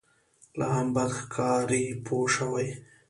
لا هم بد ښکاري پوه شوې!.